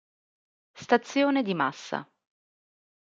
Stazione di Massa